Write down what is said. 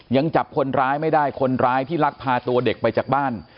ยังจับคนร้ายไม่ได้คนร้ายที่ลักพาตัวเด็กไปจากบ้าน